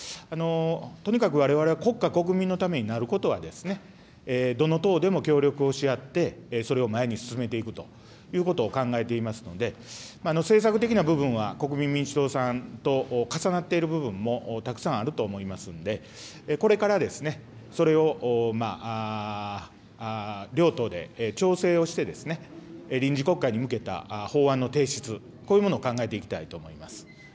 とにかくわれわれは国家国民のためになることは、どの党でも協力をし合って、それを前に進めていくということを考えていますので、政策的な部分は国民民主党さんと重なっている部分もたくさんあると思いますんで、これからそれを両党で調整をして、臨時国会に向けた法案の提出、こういうものを考えていきたいと思います。